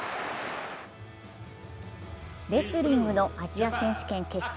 レスリングのアジア選手権決勝。